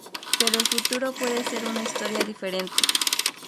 Pero el futuro puede ser una historia diferente.